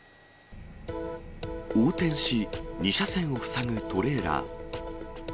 横転し、２車線を塞ぐトレーラー。